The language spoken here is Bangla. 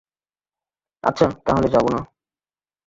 আচ্ছা, তা হলে যাব না।